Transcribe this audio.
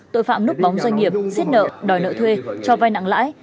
tội phạm núp bóng doanh nghiệp xiết nợ đòi nợ thuê cho vai nặng lãi